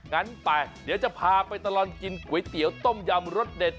งั้นไปเดี๋ยวจะพาไปตลอดกินก๋วยเตี๋ยวต้มยำรสเด็ด